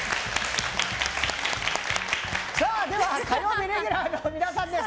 では、火曜レギュラーの皆さんです。